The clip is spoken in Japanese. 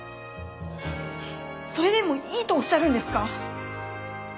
それでもいいとおっしゃるんですか？